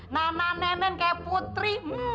nana nenek kayak putri